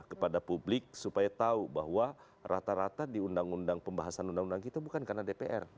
kepada publik supaya tahu bahwa rata rata di undang undang pembahasan undang undang kita bukan karena dpr